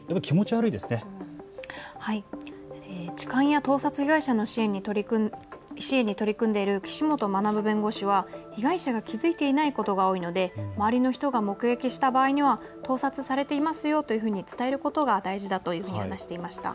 はい、痴漢や盗撮被害者の支援に取り組んでいる岸本学弁護士は被害者が気付いていないことが多いので周りの人が目撃した場合には盗撮されていますよというふうに伝えることが大事だと話していました。